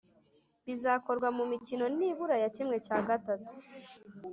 Bizakorwa mu mimikino nibura ya kimwe cya gatatu